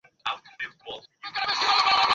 নিখিলকে বললুম, তোমার সঙ্গে কথা হল ভালোই হল।